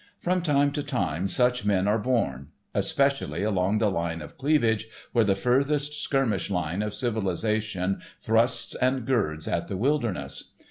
From time to time such men are born, especially along the line of cleavage where the furthest skirmish line of civilisation thrusts and girds at the wilderness.